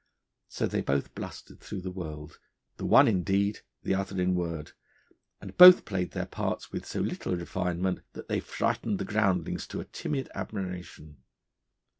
So they both blustered through the world, the one in deed, the other in word; and both played their parts with so little refinement that they frightened the groundlings to a timid admiration.